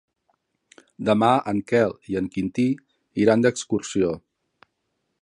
Demà en Quel i en Quintí iran d'excursió.